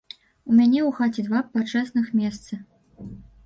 У мяне ў хаце два пачэсных месцы.